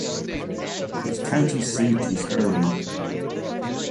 Its county seat is Erwin.